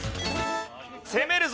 攻めるぞ。